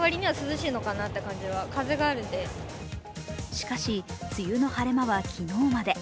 しかし、梅雨の晴れ間は昨日まで。